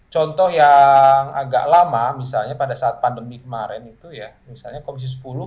contoh yang agak lama misalnya pada saat pandemi kemarin itu ya misalnya komisi sepuluh